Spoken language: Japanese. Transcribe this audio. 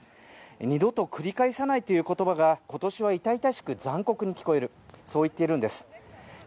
二度と繰り返さないという言葉が今年は痛々しく残酷に聞こえるそう言っているんです。